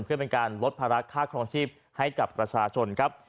เพื่อเป็นการลดภาระค่าครองชีพให้กับประชาชนครับ